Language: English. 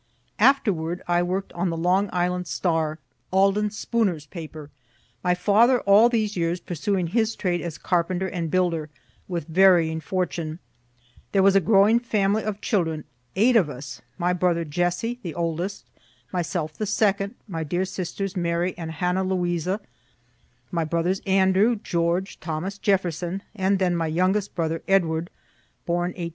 ) Afterward I work'd on the "Long Island Star," Alden Spooner's paper. My father all these years pursuing his trade as carpenter and builder, with varying fortune. There was a growing family of children eight of us my brother Jesse the oldest, myself the second, my dear sisters Mary and Hannah Louisa, my brothers Andrew, George, Thomas Jefferson, and then my youngest brother, Edward, born 1835, and always badly crippled, as I am myself of late years.